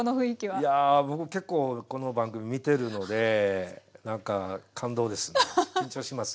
いや僕結構この番組見てるので何か感動です。